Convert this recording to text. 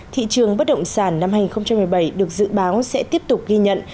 thị trường bất động sản năm hai nghìn một mươi bảy được dự báo sẽ tiếp tục ghi nhận